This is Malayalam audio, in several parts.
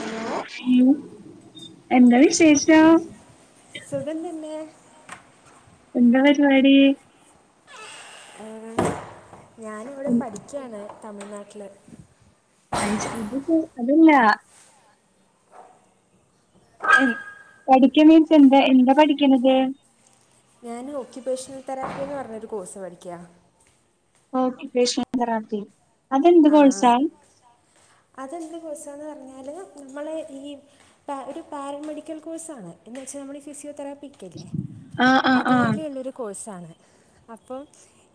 ഹലോ ഉം എന്താ വിശേഷം സുഖം തന്നെ എന്താ പരിപാടി ഞാനിവിടെ പഠിക്കാണ് തമിഴ്നാട്ടിൽ അയിച് ഇത്കു. അതല്ലാ. പഠിക്കാൻ വേണ്ടിട്ട് എന്താ എന്താ പഠിക്കണത് ഞാൻ ഓക്യുപ്പേഷണൽ തെറാപ്പി എന്ന് പറഞ്ഞൊരു കോഴ്സ് പഠിക്ക ഒക്കുപേഷണൽ തൊപ്പിയോ അതെന്ത് ആ കോഴ്സാ അതെന്ത് കോഴ്‌സെന്ന് പറഞ്ഞാൽ നമ്മൾ ഈ ഒരു പാരാമെഡിക്കൽ കോഴ്സാണ് എന്ന് വെച്ചാൽ നമ്മൾ ഈ ഫിസിയോെറപ്പിക്ക് ആഹ് ആഹ് ആഹ് അതുപോലെ ഉള്ളൊരു കോഴ്സാണ്. അപ്പം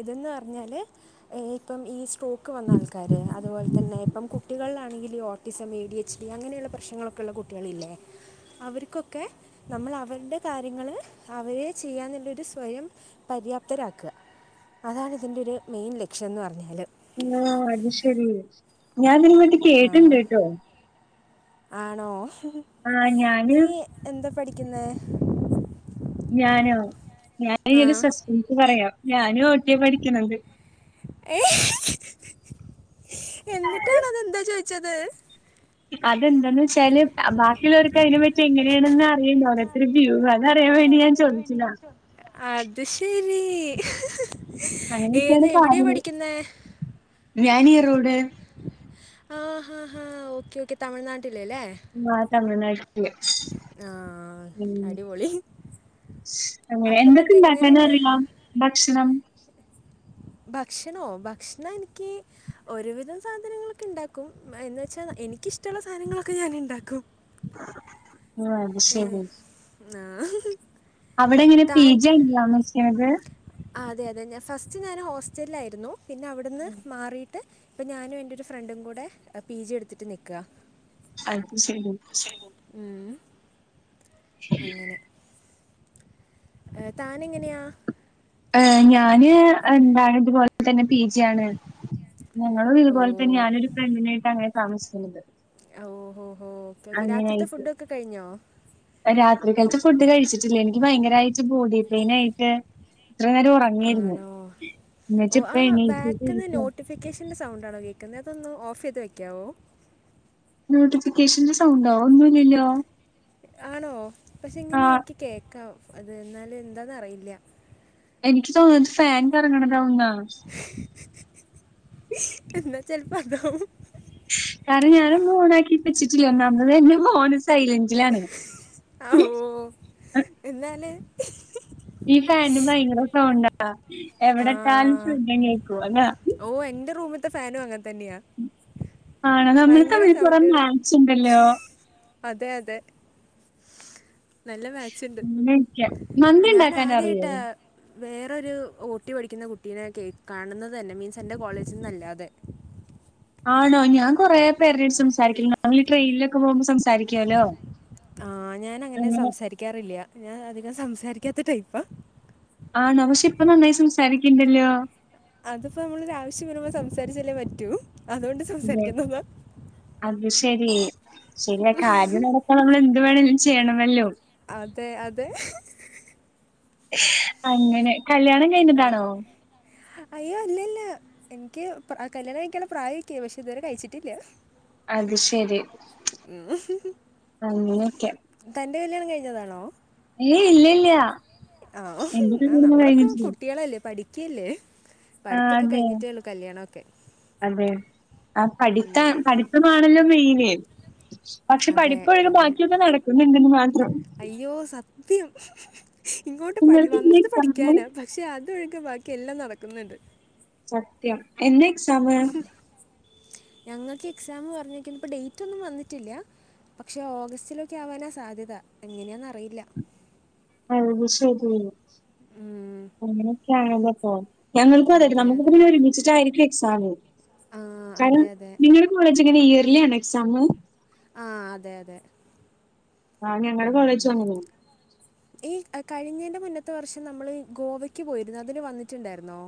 ഇതെന്ന് പറഞ്ഞാൽ ഇപ്പം ഈ സ്ട്രോക്ക് വന്ന ആൾക്കാർ അതുപോലെ പിന്നെ ഇപ്പം കുട്ടികളിലാണെങ്കിൽ ഓടിസം എഡിഎച്ച്ഡി അങ്ങനെയുള്ള പ്രശ്നങ്ങളൊക്കെ ഉള്ള കുട്ടികളില്ലേ അവർക്കൊക്കെ നമ്മൾ അവരുടെ കാര്യങ്ങൾ അവരെ ചെയ്യാനുകള്ളാരു സ്വയം പര്യാപ്തരാക്കുക അതാണ് ഇതിൻ്റെ ഒരു മെയിൻ ലക്ഷ്യം എന്ന് പറഞ്ഞാൽ ആ അത് ശരി ഞാൻ ഇതിന് വേണ്ടി കേട്ടണ്ട് കേട്ടോ ആണോ ആ ഞാന് നീ എന്താ പഠിക്കുന്ന ഞാനോ. ആ ഞായൊരു സസ്പെൻസ് പറയാം. ഞാനു ഓട്ടിയ പഠിക്ണത്. ഏ എന്നിട്ടാണോ അതെന്താ ചോദിച്ചത്. അത് എന്താന്ന് വെച്ചാൽ ബാക്കിയുള്ളവർക്ക് അതിനെ പറ്റി എങ്ങനെയാണെന്ന് അറിയണ്ട ഓരോത്തരുടെ ഫീഡ്‌ബാക് അറിയാൻ വേണ്ടി ഞാൻ ചോദിച്ചിതാ അത് ശരി ഏത് എവിടെയാ പഠിക്കുന്നേ വ്യാനി റോഡ് ആ ഹാ ഹാ ഓക്കേ ഓക്കെ തമിഴ്നാട്ടില് ല്ലേ മാ തമിഴ്നാട്ടില് ആ ഉം അടിപൊളി അങ്ങനെ അപ്പം എന്തൊക്കെ എന്നിട്ട് ഇണ്ടാക്കൻ എങ്ങനെയുണ്ട് അറിയാം ഭക്ഷ്ണം ഭക്ഷണോ ഭക്ഷണം എനിക്ക് ഒരുവിധ സാധനങ്ങളൊക്കെ ഇണ്ടാക്കും എന്നു വെച്ചാ എനിക്കിഷ്ട്ടുള്ള സാധനങ്ങളൊക്കെ ഞാൻ ഇണ്ടാക്കും [inaudible] [unintelligible] ആ അവിടെ എങ്ങനെയാ താൻ പീജെയന്നയാ താമസിക്കണത് അതെ അതെ ഞാൻ ഫസ്റ്റ് ഞാൻ ഹോസ്റ്റലിലായിരുന്നു പിന്നെ അവിടുന്ന് മാറിട്ട് ഇപ്പം ഞാനും എൻ്റെ ഒരു ഫ്രണ്ടും കൂടെ ആ പി ജി എടുത്തിട്ട് നിക്കാ അത്ശരി ഉം അങ്ങനെ താനെങ്ങനെയാ ആ ഞാന് എന്താണ് ഇതുപോലെ തന്നെ പി ജി ആണ് ഞങ്ങളും ഓ ഇതുപോൽതന്നെ ഞാനൊരു ഫ്രണ്ടിനായിട്ടാണ് അങ്ങനെ താമസിക്കുന്നത് അ ഹോ ഹോ ഓ ഓക്കേ ഓക്കെ രാത്രിത്തെ ഫുഡെഒക്കെ കഴിഞ്ഞോ രാത്രികൽത്തെ ഫുഡ് കഴിച്ചിട്ടില്ലേ എനിക്ക് ഭയങ്കരായിട്ട് ബോഡി പെയിനായിട്ട് ഇത്ര നേരോം ആണോ ഓ ആ എണീറ്റിട്ട് ബാക്കിന്ന് ഇരിക്കാ. നോട്ടിഫൈ- ഫിക്കേഷൻ്റെ സൗണ്ട് ആണോ കേക്കുന്നെ അതൊന്ന് ഓഫയ്ത് വെക്കാവോ നോട്ടിഫിക്കേഷന്റെ സൗണ്ടോ ഒന്നു ഇല്ലല്ലോ ആണോ പക്ഷെ ഇങ്ങനെ എനിക്ക് കേക്കാം അത് എന്നാല് എന്താന്ന് അറിയില്ല്യ എനിക്ക് തോന്നുന്നത് ഫാൻ കറങ്ങണതാവുന്നാ എന്നാ ചെൽപ്പം അതാവും കാരണം ഞാനുന്നും ഓൺ ആക്കിവെച്ചിട്ടില്ല ഒന്നാമത് എന്റെ ഫോൺ സൈലന്റിലാണ് ഔ എന്നാല് ഈ ഫാനിന് ഭയങ്കരെ സൗണ്ടാ എവിടെ ഇട്ടാലും ശബ്ദംകേക്കും അതാ ഓഹ് എന്റെ റൂമിത്തെ ഫാനും അങ്ങൻതന്നെയാ ആണ് നമ്മൾ തമ്മിൽ കൊറെ സൗണ്ട് ഇടുന്നു മേച്ച് ഉണ്ടല്ലോ അതെ അതെ നല്ല മേച്ച്ണ്ട് അങ്ങനെയൊക്കെയാ. മന്തി ഉണ്ടാക്കാൻ അറിയോ? ഞാനാആദ്യായിട്ടാ വേറൊരു ഓട്ടി പഠിക്കുന്ന കുട്ടീടെ കേ കാണുന്നത് തന്നെ മീൻസ് എന്റെ കോളേജിൽന്ന് അല്ലാതെ ആണോ ഞാൻ കൊറെ പേരേട് സംസാരിക്കില്ലണ്ട് ഞങ്ങള് ട്രെയിനിലൊക്കെ പോവുമ്പോ സംസാരികാല്ലോ ആ ഞാനങ്ങനെ സംസാരിക്കാറില്ല ഞാൻ അധികം സംസാരിക്കാത്ത ടൈപ്പാ ആണോ പക്ഷെ ഇപ്പം നന്നായി സംസാരിക്ക്ണ്ടല്ലോ അതിപ്പോ നമ്മളൊര് ആവശ്യം വരുമ്പോ സംസാരിച്ചല്ലേ പറ്റൂ അതോണ്ട് സംസാരിക്കുന്നതാ അത്ശരി ശരിയാ കാര്യം നടക്കാൻ നമ്മൾ എന്ത് വേണേലും ചെയ്യണമല്ലോ അതെ അതെ അങ്ങനെ കല്യാണ ക അയ്യോ ഇല്ലല്ല എനിക്ക് പ്രാ കല്യാണം കഴിക്കാനുള്ള പ്രായൊക്കെ ആയി പക്ഷെ ഇതുവരെ കഴിച്ചിട്ടില്ല അത്ശരി അങ്ങനെയൊക്കെയാ തൻ്റെ കല്യാണം കഴിഞ്ഞതാണോ ഏയ് ഇല്ല ഇല്ല ആ നമ്മളൊക്കെ കുട്ടികളല്ലേ പഠിക്കല്ലേ ആഹ് പഠിത്തൊക്കെ അതെ. കഴിഞ്ഞിട്ടേള്ളൂ കല്യാണംയൊക്കെ അതെ ആ പഠിത്തം പഠിത്തമാണല്ലോ മെയിന് പക്ഷെ അതെ പഠിപ്പൊഴികെ അതെ ബാക്കിയൊക്കെ നടക്കുന്നുണ്ടന്ന് മാത്രം അയ്യോ സത്യം ഇങ്ങോട്ട് പഠി നിങ്ങൾക്ക് എന്നാ എക്സാമ്? വന്നത്പഠിക്കാനാ പ പക്ഷെ അതൊഴികെ ബാക്കിയെല്ലാം നടക്ക്ന്നുണ്ട് സത്യം എന്നാ എക്സാം ഞങ്ങൾക്ക് എക്സാം പറഞ്ഞേക്കുന്നേ ഇപ്പോ ഡേറ്റ് ഒന്നും വന്നിട്ടില്ല പക്ഷെ ഓഗസ്റ്റിലൊക്കെ ആവാനാ സാധ്യത എങ്ങനെയെന്ന് അറിയില്ല അത് ശരി ഉം, അങ്ങനെയൊക്കെയാണല്ലെ പ്പോ ഞങ്ങൾക്കും അതെ നമ്മക്ക് പിന്നെ ഒരുമിച്ചിട്ടായിരിക്കും എക്സാമ് ആ ചാനു അതെ അതെ നിങ്ങളുടെ കോളേജ് എങ്ങനെ ഇയർലി ആണോ എക്സാമ് ആഹ് അതെ അതെ ആഹ് ഞങ്ങളെ ഉം. കോളേജും അങ്ങനെയാ ഈ കഴിഞ്ഞന്റെ മുന്നത്തെ വർഷം നമ്മൾ ഗോവയ്ക്ക് പോയിരുന്നു അതിന് വന്നിട്ടുണ്ടായിരുന്നോ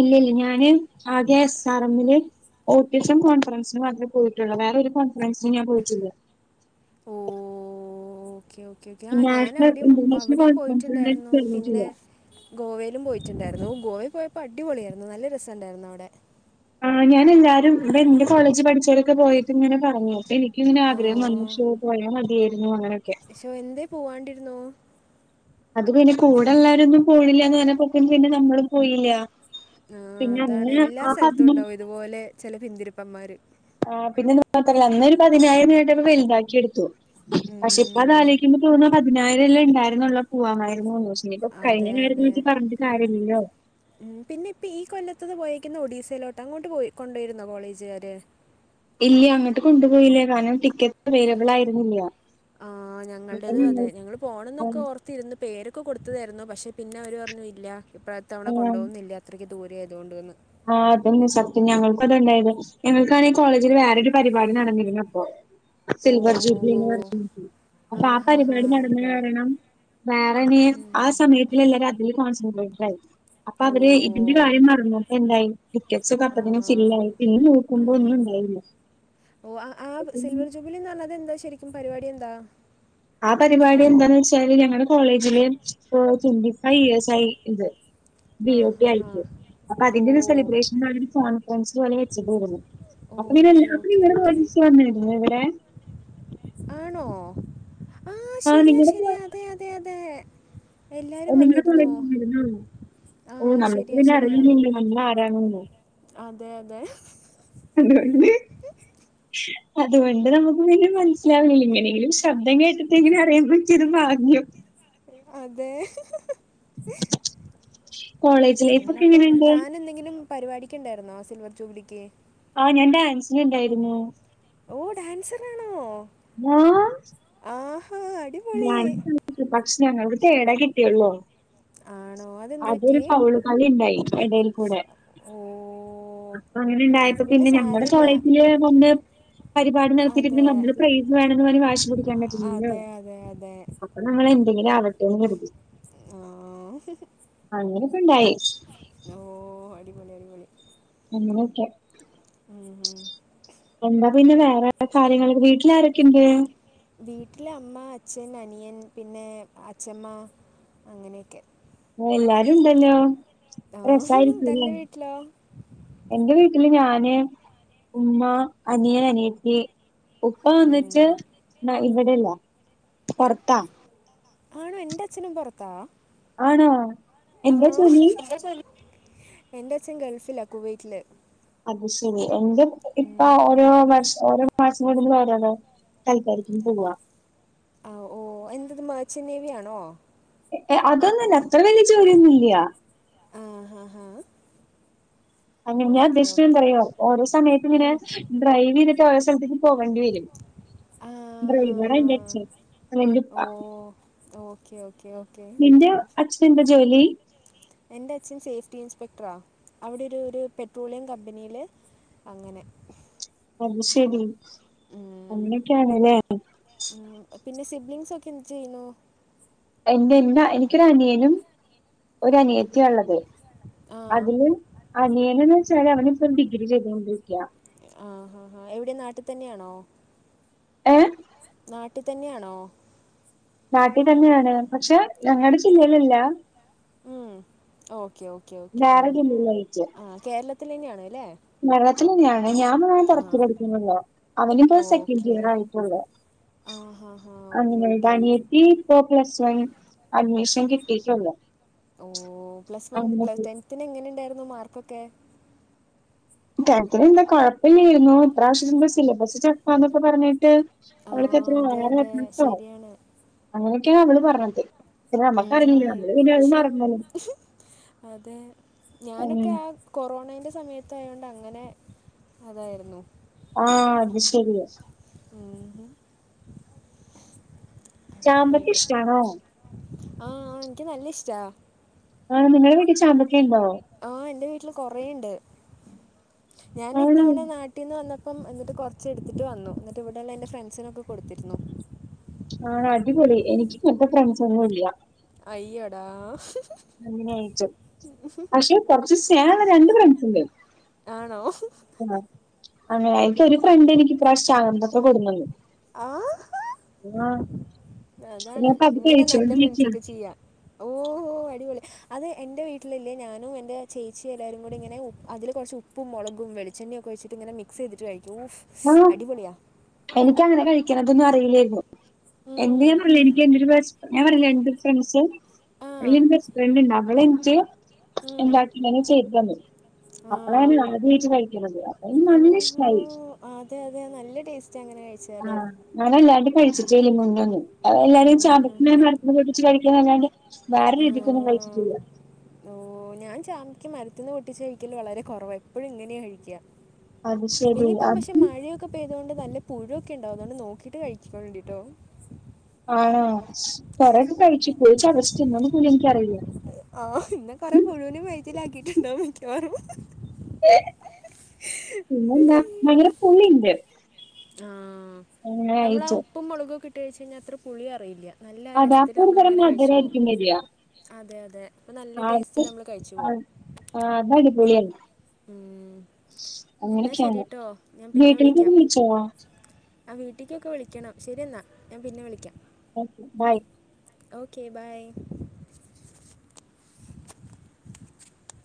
ഇല്ല ഇല്ല ഞാന് ആദ്യം എസ് ആർ എമ്മില് ഓട്ടിസം കോൺഫറൻസിന് മാത്രമ പോയിട്ടുള്ളൂ വേറോരു കോൺഫറൻസിന് ഞാൻ പോയിട്ടില്ല ഓഹ് ഓക്കേ ഓക്കേ ഞാൻ നാഷണൽ അവിടെയും, ഇന്റർനാഷണൽ അവിടെയും കോൺഫറൻസിന് പോയിട്ടുണ്ടായിരുന്നു പിന്നെ ചേർന്നിട്ടില്ല. ഗോവയിലും പോയിട്ടുണ്ടായിരുന്നു, ഗോവയിൽ പോയപ്പോ അടിപൊളിയായിരുന്നു നല്ല രസം ഉണ്ടായിരുന്നു അവിടെ ആ ഞാൻ എല്ലാരും ഇവിടെ എന്റെ കോളേജ് പഠിച്ചവരൊക്കെ പോയിട്ട് ഇങ്ങനെ പറഞ്ഞു അപ്പൊ എനിക്കിങ്ങനെ ആ, ആഗ്രഹം വന്നു പക്ഷേ പോയ മതിയായിരുന്നു അങ്ങനെയൊക്കെ ശ്ശോ എന്തേ പോവാണ്ടിരുന്നു? അത് പിന്നെ കൂടെള്ളോരൊന്നും പോണില്ലന്ന് പറഞ്ഞപ്പോ പിന്നെ നമ്മളും പോയില്ല ആ, പിന്നെ അതാണ് എല്ലാ സ്ഥലത്തും [unintelligible] ഉണ്ടാവും ഇതുപോലെ ചില പിന്തിരിപ്പന്മാര് ആ പിന്നെ [unintelligible] ഞങ്ങളോരു പതിനേഴു മീറ്റർ വലുതാക്കി എടുത്തു പക്ഷെ ഇപ്പൊ അത് ഉം, ആലോചിക്കുമ്പോ തോന്നാ പതിനായിരമല്ലേ ഉണ്ടായിരുന്നുള്ളൂ പോവാമായിരുന്നുന്ന് ഇനിയിപ്പോ കഴിഞ്ഞ അതെ അതെ കാര്യത്തെപ്പറ്റി പറഞ്ഞിട്ട് കാര്യമില്ലല്ലോ ഉം പിന്നെ ഇപ്പം ഈ കൊല്ലത്തത് പോയേക്കുന്ന ഒഡീസയിലോട്ട് അങ്ങോട്ട് പോയി കൊണ്ടുപോയിരുന്നോ കോളേജുകാര് ഇല്ല അങ്ങോട്ട് കൊണ്ടുപോയില്ലേ കാരണം ടിക്കറ്റ് അവൈലബിൾ ആയിരുന്നില്ല. ആ അപ്പൊ ഞങ്ങളുടെതും ഞങ്ങൾ അതെ ഞങ്ങള് പോണം എന്നൊക്കെ ആഹ് ഓർ ത്തിരുന്ന് പേരൊക്കെ കൊടുത്തതായിരുന്നു പക്ഷെ പിന്നെ അവർ പറഞ്ഞു ഇല്ല ഇത്തവണ കൊണ്ടുപോവുന്നില്ല. അത്രയ്ക്ക് ദൂരെയ ആയതുകൊണ്ട് വന്ന് ആഹ്, അതൊന്നന്ന് സത്യം ഞങ്ങൾക്കും അതണ്ടായത് ഞങ്ങൾക്കന്നു കോളേജിൽ വേറൊരു പരിപാടി നടന്നിരുന്നു അപ്പോ സിൽവർ ജൂബ്ലി ഓഹോ എന്ന് പറഞ്ഞിട്ട് അപ്പൊ ആ ഹാ ഹാ പരിപാടി നടന്ന അടിപൊളി കാരണം വേറെനി ഉം. ആ സമയത്ത് എല്ലാരും അതില് കോൺസെൻട്രേ ആയി അപ്പൊ ഓ അവര് ഇതിന്റെ കാര്യം മറന്നു എന്തായി ടിക്കറ്റ്സ് ഒക്കെ ആ അപ്പതിനും ഫില്ലായി പിന്നെ ആ നോക്കുമ്പോ ഒന്നും ഉണ്ടായില്ല ഓ ആ സിൽവർ ജൂബിലിന്ന് പറഞ്ഞാ എന്താ ശരിക്കും പരിപാടി എന്താ ആ പരിപാടി എന്താ വെച്ചാല് ഞങ്ങളുടെ കോളേജില് ഇപ്പൊ ട്വന്റി ഫൈവ് ഇയേഴ്സ് ആയി ഇത് ആ ബിയോപി ഹാ ആയി ഹാ പോയി, അപ്പോ ഓ അതിന്റെ സെലിബ്രേഷൻ ല്ലൊരു കോൺഫറൻസി വലി വെച്ചിട്ട വരുന്നു അപ്പൊ ഇ ഓക്കെ അപ്പ ഓക്കെ ഇവിടെ വ ഓക്കെ [unintelligible] വന്നിരുന്നു ഇവിടെ ആണോ ആ ആഹ് ശരിയാ ശരിയാ അതെ, അതെ, അതെ എല്ലാവരും ഓം. നിങ്ങളെ വന്നിരുന്നോ കോളേജ് നിര്ന്ന.. ആ ഓ നമ്മുക്ക് ശരിയാ പിന്നെ ശരിയാ അറിയുന്നില്ലേ നമ്മൾ ആരാണന്ന് അതെ അതെ [unintelligible] അതുകൊണ്ട് നമുക്ക് പിന്നെ മനസ്സിലാവില്ലേ, ഇങ്ങനെങ്കിലും ശബ്ദം കേട്ടിട്ടെങ്കിലും അറിയാൻ പറ്റിയത് ഭാഗ്യം അതെ കോളേജ് ലൈഫ് ഒക്കെ നിങ്ങളപ്പം, എങ്ങനെയുണ്ട്? താൻ എന്തെങ്കിലും പരിപാടിക്ക് ഉണ്ടായിരുന്നോ സിൽവർ ജൂബിലിക്ക് ആഹ് ഞാൻ ഡാൻസിന് ഉണ്ടായിരുന്നു ഓ ഡാൻസറാണോ, ആഹ് ആഹാ അടിപൊളി ഡാൻസ് പക്ഷെ ഞങ്ങൾക്ക് തേടാ കിട്ടിയുള്ളൂ ആഹ് അത് ഒരു ഫൗള് കളി ഇണ്ടായി ഇടേൽ കൂടെ ഓ അങ്ങനെ അത് ഉണ്ടായപ്പോ പിന്നെ ഞങ്ങടെ സാരമില്ല കോളേജില് കൊണ്ട് പരിപാടി നടത്തിയിട്ട് പിന്നെ അതെ നമ്മള് പ്രൈസ് വേണെന്ന് പറഞ്ഞ് വാശി പിടിക്കാൻ പറ്റില്ലല്ലോ അതെ അതെ അതെ അപ്പൊ നമ്മൾ എന്തെങ്കിലും ആവട്ടേന്ന് കരുതി ആഹ് അങ്ങനെയൊക്കെ ഉണ്ടായി ഓ അടിപൊളി, അടിപൊളി അങ്ങനെയൊക്കെ ഉം, ഉം എന്താ പിന്നെ വേറെ കാര്യങ്ങള് വീട്ടിലാരൊക്കെയുണ്ട് വീട്ടില് അമ്മ അച്ഛൻ അനിയൻ പിന്നെ അച്ഛമ്മ അങ്ങനെയൊക്കെ എല്ലാരും ഉണ്ടല്ലോ ആ രസായിരിക്കുലെ തൻ്റെ വീട്ടിലോ എന്റെ വീട്ടില് ഞാന്, ഉമ്മ, അനിയൻ, അനിയത്തി ഉപ്പ വന്നിട്ട് ഉം. ന ഇവിടെയല്ല പൊറത്താ ആണോ എന്റെ അച്ഛനും പൊറത്താ ആണോ? എന്താ ആഹ്, ജോലി? എന്താ ജോലി? എന്റെ അച്ഛൻ ഗൾഫിലാ കുവൈറ്റില് അത് ശരി എന്റ ഇപ്പ ഓരോ വർഷം ഓരോ വാട്സ്കോടെന്ന് [unintelligible] ഓ എന്തത് മർച്ചന്റ് നേവി ആണോ അതൊന്നുല്ല അത്ര വലിയ ജോലിയൊന്നുമില്ല ആഹ് ഹാ -ഹാ അങ്ങൻ ഞാൻ ഓക്കെ ഉദ്ദേക്ഷിച്ച എന്താ ഓക്കെ അറിയോ ഓരോ സമയത്ത് ഇങ്ങനെ ഉം. ഡ്രൈവ് ചെയ്തിട്ട് ഓരോ സ്ഥലത്തേക്കും പോവേണ്ടി വരും ആ ഹാ ഡ്രൈവറാ ഹാ എന്റെ അച്ഛൻ അ തെ എന്റുപ്പ ഓക്കേ ഓക്കേ ഓ ഓക്കെ നിന്റെ അച്ഛനെന്താ ജോലി എന്റെ അച്ഛൻ സേഫ്റ്റി ഇൻസ്പെക്ടറാ അവിടെ ഒരു ഒരു പെട്രോളിയം കമ്പനിയില് അങ്ങനെ അത് ശരി ഉം. അങ്ങനൊക്കെയാണല്ലേ ഉം പിന്നെ സിബ്ലിംങ്‌സൊക്കെ എന്ത് ചെയ്യുന്നു എന്റന്റ എനിക്കൊരു അനിയനും ഒര് അനിയത്തിയ ഒള്ളത് ആ അതില് അനിയനന്ന് വെച്ചാല് അവനിപ്പൊ ഡിഗ്രി ചെയ്തോണ്ടിരിക്കയാ ആഹ് ഹാ- ഹാ എവിടെയാ നാട്ടി തന്നെയാണോ ഏഹ് നാട്ടി തന്നെയാണോ നാട്ടി തന്നെയാണ് പക്ഷെ ഞങ്ങടെ ജില്ലയിലല്ല ഉം ഓക്കെ ഓക്കെ ഓക്കെ വേറെ ആഹ് ജില്ലയിലായിട്ട്. -ആഹ് കേരളത്തിലന്നെയാണ് അല്ലേ നാട്ടിൽ തന്നെയാണ് ഞാൻ മാ ആ പൊറത്ത് പഠിക്കുന്നുള്ളൂ അവനിപ്പൊ സെക്കൻഡ് ഇയർ ആയിട്ടുള്ളു ആഹ് ഹാ- ഹാ ഓക്കേ ഓ അനിയത്തി ഇപ്പൊ പ്ലസ് വൺ അഡ്മിഷ കിട്ടീട്ടൊള്ളു ആമിനക്ക് പത്തിന് എങ്ങനെ ഉണ്ടായിരുന്നു മാർക്കൊക്കെ പത്തിലെന്താ കൊഴപ്പില്ലായിരുന്നു ഇപ്രാവശ്യം തൊട്ട് സിലബസ് ടഫാന്നൊക്കെ പറഞ്ഞിട്ട് ആ അവൾക്കെത്രയൊ അതെ വേറെ അതെ അഡ്രസ്സോ ശരിയാണ് അങ്ങനെയൊക്കെയാ അവള് പറഞ്ഞത് പിന്നെ ആ നമ്മക്കറിയില്ല. നമ്മള് പിന്നെ അത് ഇപ്രാവശ്യം മറന്നല്ലോ. അതെ ഞാനൊക്കെ ഉം. ആ കൊറോണേന്റെ സമയത്തായോണ്ട് അങ്ങനെ അതായിരുന്നു ആ അത് ശരി മ്മ് ഹും ചാമ്പക്ക അങ്ങനെയാട്ട് ഇഷ്ടാണോ? ആ- ആ എനിക്ക് നല്ല ഇഷ്ടാ ആ നിങ്ങടെ വീട്ടി ചാമ്പക്ക ഉണ്ടോ ആ എന്റെ വീട്ടിൽ കൊറേ ഉണ്ട് ഞാൻ ആണോ ഇത്തവണ നാ കുട്ട നിന്ന് വന്നപ്പ എന്നി് കുറച്ച് എടുത്തിട്ട്ന്നു എന്നി് ഇവിടെയള്ള എ്റെ ഫ്രണ്ട്സിനൊക്കെ കൊടുത്തിരുന്നു ആ അടിപൊളി എനിക്ക് പ്പ ഫ്രണ്ട്സ് ഒന്നും ഇല്ല. അയ്യോടാ ച്ച പക്ഷെ കുറച്ച് സ്നേഹമ്മുള്ള രണ്ട് ഫ്രണ്ട്സ് ഉണ്ട്. ആണോ?. ആ അങ്ങനെ എനിക്ക് ഒരു ഫ്രണ്ട് എനിക്ക് ഫ്രഷ് ചാമ്പക്ക കൊടുനന്നു ആ ആ അതാണ് ഇങ്ങനെ നല്ല ഫ്രണ്ട്സ് ഒക്കെ ചെയ്യാ. ഓഹോ അടിപൊളി. അത് എറെ വീട്ടിലില്ലേ ഞാനും എന്റെ ചേച്ചി എല്ലാരും കൂടി ഇങ്ങനെ അതില് കുറച്ച് ഉപ്പ ഉപ്പു, മുളകും, വെളിച്ചെണ്ണയും ഒക്കെ ഒഴിച്ചിട്ട് ഇങ്ങന മിക്സ് ചെയ്തിട്ട് കഴിക്ക ആ എനിക്ക് അങ്ങനെ കഴിക്കണതൊന്നും അറിയില്ലായിരുന്നു. എന്ത് ഉം. ഞാ പറഞ്ഞില്ലേ എനിക്ക് എൻ്റെയൊരു ബെസ്റ്റ് ഫ്രണ്ട് ഞാൻ പറഞ്ഞില്ലേ എന്ത് ഫ്രണ്ട്സ് ആ ഫ്രണ്ട് ണ്ട് അവള് എനിക്ക് ഉം. എന്താട്ടന്നെ ചെയ്തു തന്നു. ആ അപ്പളാണ് ആദ്യമായിട്ട് കഴിക്കുന്നത്. അപ്പനിക്ക് നല്ല ഇഷ്ടായി. ആ അതെ അതെ നല്ല ടേസ്റ്റ് അങ്ങനെ കഴിച്ചാൽ. ആ ഞാനൻല്ലാണ്ടും കഴിച്ചിട്ടില്ല മുന്നോന്ന് എല്ലാരുംമുന്നെന്നും ചാമ്പക്ക നട ച്ച് കഴിക്കുന്നല്ലാണ്ട്. വേറെ രീതിക്കൊന്നും കഴിച്ചിട്ടില്ല. ഓ ഞാൻ ചാമ്പിക്ക മരത്തിനിന്ന് പൊട്ടിച്ച് കഴിക്കല് വളരെ കുറവ്. എപ്പോഴും ഇങ്ങനെയാ കഴിക്ക. അത് ശരി പിന്നെയിപ്പം ആ പക്ഷെ മഴയൊക്കെ പെയതുകൊണ്ട് നല്ല പുഴുവൊക്കെ ഉണ്ടാവും. ഒന്നു നോക്കിട്ട് കഴിച്ചോളിൻ ട്ടോ. ആണെ കൊറയക്ക കഴിച്ചു. പോയിച്ച അകസ്റ്റ് ന്നും എനിക്കറിയില്ല. ആ ഇന്ന കൊറെ പുഴുവിനെ വയറ്റിൽ ആക്കിയിട്ടുണ്ടാവും മിക്കവാറും. [unintelligible] [unintelligible] പിന്നെന്താ ഭയങ്കര പുള്ളിയുണ്ട്. ആ നമ്മള് ആ ഉപ്പും മുളകും ഇട്ട് കഴിച്ച് കഴിഞ്ഞാൽ അത്ര പുളി അറിയില്ല. നല്ല രസത്തിൽ അതാപ്പോ ഒരു നമ്മൾ തരം ഇങ്ങനെ കഴിച്ചു പോകും. മധുരായിരിക്കും വരിക അതെ അതെ അപ്പൊ നല്ല ആ ടേസ്റ്റ് നമ്മള് കഴിച്ചു ആ പോവും. ആ അതടിപൊളിയാണ്. ഉം എന്നാ ശരിട്ടോ. ഞാൻ പിന്നെ വീട്ടിലേക്ക് വിളിക്കാം. വിളിച്ചോ ആ വീട്ടിക്കൊക്കെ വിളിക്കണം ശരി എന്നാ ഞാൻ പിന്നെ വിളിക്കാം. Okay.. bye okay by.